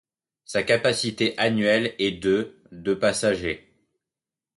Sa capacité annuelle est de de passagers.